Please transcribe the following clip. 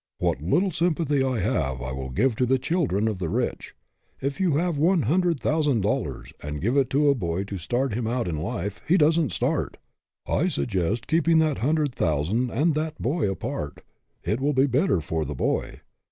" What little sympathy I have I will give to the chil dren of the rich. If you have one hundred thousand dollars, and give it to a boy to start him out in life, he doesn't start. I suggest keeping that hundred thousand and that boy apart ; it will be better for the boy.